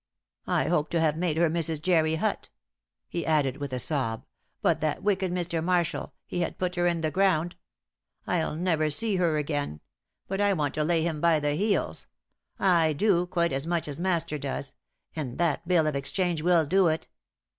I hoped to have made her Mrs. Jerry Hutt," he added, with a sob, "but that wicked Mr. Marshall he had her put in the ground. I'll never see her again! But I want to lay him by the heels. I do, quite as much as master does; and that bill of exchange will do it.